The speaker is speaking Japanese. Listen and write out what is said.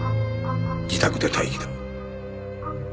自宅で待機だ。